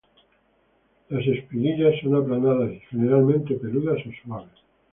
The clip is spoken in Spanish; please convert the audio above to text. Las espiguillas son aplanadas y generalmente peludas o suaves.